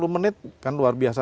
empat puluh menit kan luar biasa